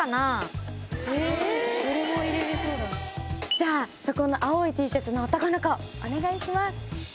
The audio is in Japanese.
じゃあそこの青いＴシャツの男の子お願いします。